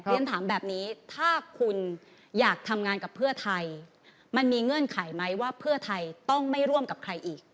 เรียนถามแบบนี้ถ้าคุณอยากทำงานกับเพื่อไทยมันมีเงื่อนไขไหมว่าเพื่อไทยต้องไม่ร่วมกับใครอีก